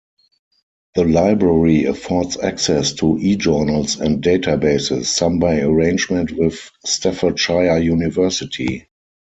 The library affords access to eJournals and databases, some by arrangement with Staffordshire University.